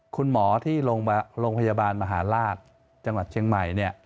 คุณหมอที่โรงพยาบาลมหาราชจังหวัดเชียงใหม่